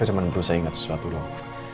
saya cuma perlu saya ingat sesuatu dong